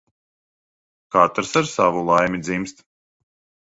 Katrs ar savu laimi dzimst.